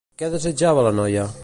Què desitjava la noia?